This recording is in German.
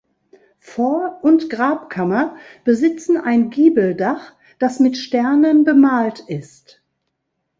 Vor- und Grabkammer besitzen ein Giebeldach, das mit Sternen bemalt ist.